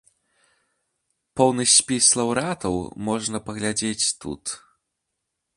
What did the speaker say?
Поўны спіс лаўрэатаў можна паглядзець тут.